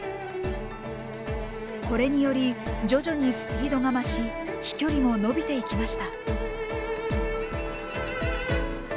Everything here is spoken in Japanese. これにより徐々にスピードが増し飛距離も伸びていきました。